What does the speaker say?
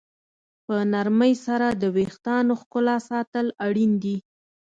په نرمۍ سره د ویښتانو ښکلا ساتل اړین دي.